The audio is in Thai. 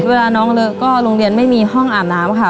เวลาน้องเลิกก็โรงเรียนไม่มีห้องอาบน้ำค่ะ